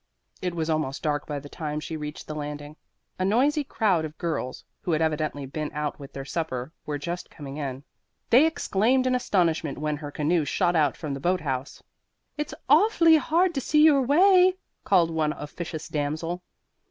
It was almost dark by the time she reached the landing. A noisy crowd of girls, who had evidently been out with their supper, were just coming in. They exclaimed in astonishment when her canoe shot out from the boat house. "It's awfully hard to see your way," called one officious damsel.